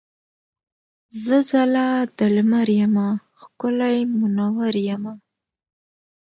زه ځلا د لمر یمه ښکلی مونور یمه.